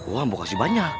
wah ambo kasih banyak